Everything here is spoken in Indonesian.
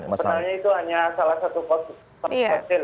ya sebenarnya itu hanya salah satu fasil ya